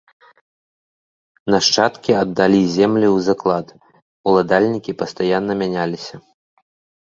Нашчадкі аддалі землі ў заклад, уладальнікі пастаянна мяняліся.